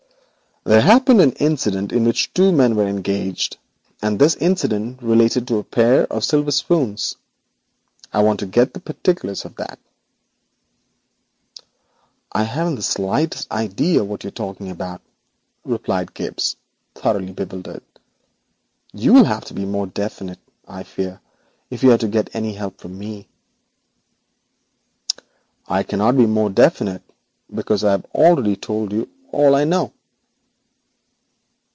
'There happened an incident in which two men were engaged, and this incident related to a pair of silver spoons. I want to get the particulars of that.' 'I haven't the slightest idea what you are talking about,' replied Gibbes, thoroughly bewildered. 'You will need to be more definite, I fear, if you are to get any help from me.' 'I cannot be more definite, because I have already told you all I know.'